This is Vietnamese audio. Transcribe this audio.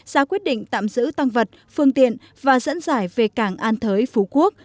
ra quyết định tạm giữ tăng vật phương tiện và dẫn dải về cảng an thới phú quốc